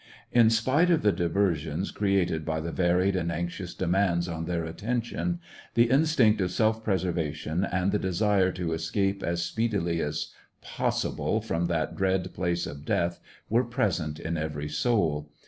' In spite of the diversions created by the varied and anxious demands on their attention, the instinct of self preservation and the desire to escape as speedily as possible from that dread place of death were present in every soul.